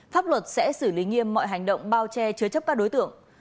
pháp luật sẽ xử lý nghiêm mọi hành động bao che chứa chấp các đối tượng